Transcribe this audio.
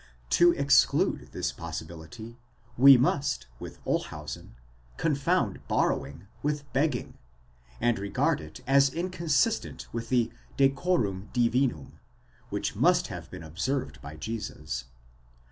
To exclude this possi bility, we must with Olshausen confound borrowing with begging, and regard it as inconsistent with the decorum divinum which must have been observed by Jesus.